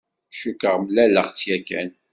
Cukkeɣ mlaleɣ-tt yakan.